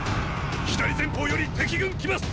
左前方より敵軍来ます！